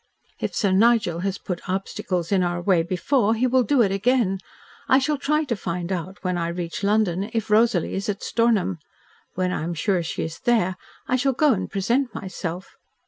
"If Sir Nigel has put obstacles in our way before, he will do it again. I shall try to find out, when I reach London, if Rosalie is at Stornham. When I am sure she is there, I shall go and present myself.